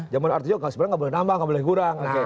jaman arti juga sebenarnya gak boleh nambah gak boleh kurang